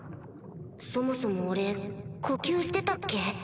そもそも俺呼吸してたっけ？